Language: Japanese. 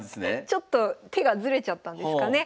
ちょっと手がずれちゃったんですかね。